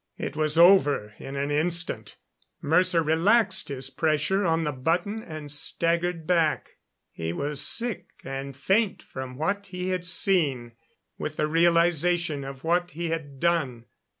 It was over in an instant. Mercer relaxed his pressure on the button and staggered back. He was sick and faint from what he had seen with the realization of what he had done.